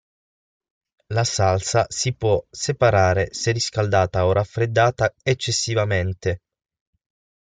La salsa si può separare se riscaldata o raffreddata eccessivamente.